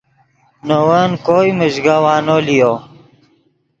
نے ون کوئے میژگوانو لیو